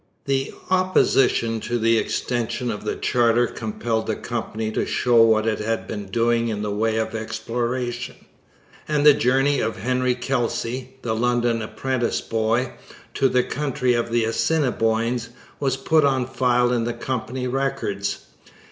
The opposition to the extension of the charter compelled the Company to show what it had been doing in the way of exploration; and the journey of Henry Kelsey, the London apprentice boy, to the country of the Assiniboines, was put on file in the Company records.